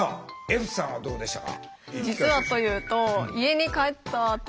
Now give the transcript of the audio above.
歩さんはどうでしたか？